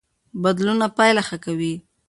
بدلونونه پایله ښه کوي.